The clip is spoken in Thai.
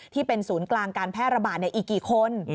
ที่เป็นศูนย์กลางการแพร่ระบาดอีกกี่คน